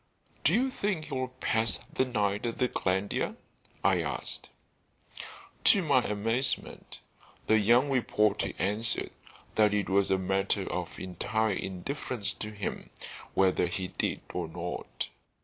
"Do you think he'll pass the night at the Glandier?" I asked. To my amazement the young reporter answered that it was a matter of entire indifference to him whether he did or not.